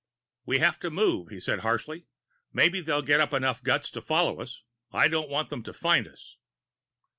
"We have to move," he said harshly. "Maybe they'll get up enough guts to follow us. I don't want them to find us."